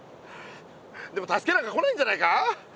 でも助けなんか来ないんじゃないか！